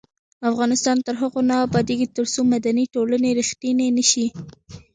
افغانستان تر هغو نه ابادیږي، ترڅو مدني ټولنې ریښتینې نشي.